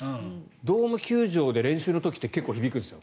ドーム球場で練習の時って結構響くんですよ。